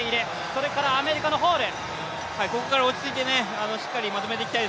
それからアメリカのホール。